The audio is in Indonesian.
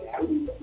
jadi kami mengundur